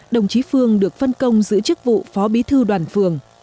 đồng chí phương được phân công giữ chức vụ phó bí thư đoàn phường